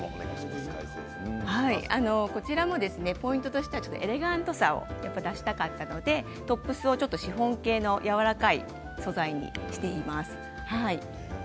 こちらもポイントとしてはエレガントさを出したかったのでトップスをシフォン系のやわらかい素材にしています。